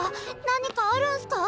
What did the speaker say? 何かあるんすか？